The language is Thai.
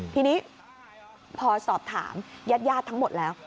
ทีนี้พอสอบถามญาติทั้งหมดแล้ว